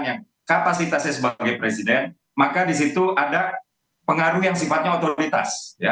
yang kapasitasnya sebagai presiden maka disitu ada pengaruh yang sifatnya otoritas